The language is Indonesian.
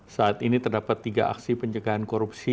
saat ini terdapat tiga aksi pencegahan korupsi